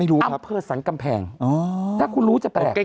อำเภอสรรกำแพงถ้าคุณรู้จะแปลก